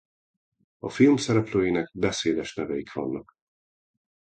A film szereplőinek beszédes neveik vannak.